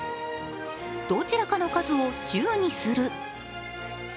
どちらかの数を１０にする。